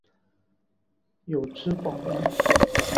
有吃饱吗？